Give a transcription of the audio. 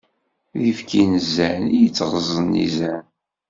D ibki n zzan i yettɣeẓẓen izan.